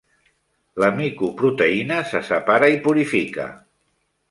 La micoproteïna se separa i purifica.